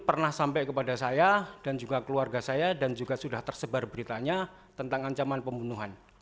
pernah sampai kepada saya dan juga keluarga saya dan juga sudah tersebar beritanya tentang ancaman pembunuhan